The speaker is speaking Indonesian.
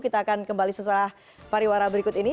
kita akan kembali setelah pariwara berikut ini